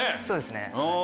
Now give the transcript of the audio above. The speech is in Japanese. そうですね。